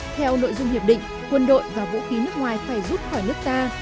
theo nội dung hiệp định quân đội và vũ khí nước ngoài phải rút khỏi nước ta